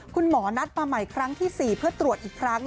คุณหมอนัดมาใหม่ครั้งที่๔เพื่อตรวจอีกครั้ง